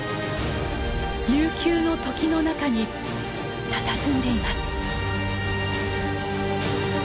悠久の時の中にたたずんでいます。